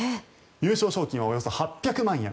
優勝賞金はおよそ８００万円。